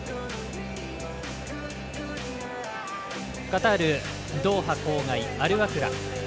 カタール、ドーハ郊外アルワクラ。